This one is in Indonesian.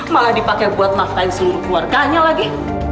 malah dipakai buat nafkahin seluruh keluarganya lagi